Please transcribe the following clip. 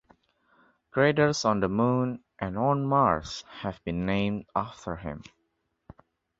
Craters on the Moon and on Mars have been named after him.